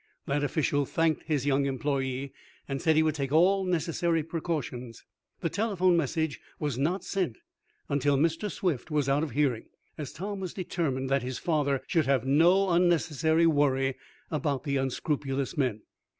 That official thanked his young employee, and said he would take all necessary precautions. The telephone message was not sent until Mr. Swift was out of hearing, as Tom was determined that his father should have no unnecessary worry about the unscrupulous men.